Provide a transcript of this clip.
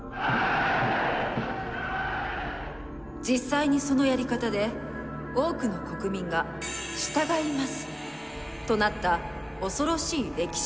実際にそのやり方で多くの国民が「従います！」となった恐ろしい歴史事実。